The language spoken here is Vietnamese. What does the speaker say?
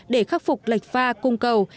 để khắc phục lệch pha cung cầu